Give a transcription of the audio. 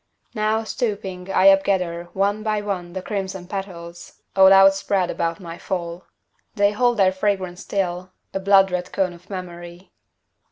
Now, stooping, I upgather, one by one, The crimson petals, all Outspread about my fall. They hold their fragrance still, a blood red cone Of memory.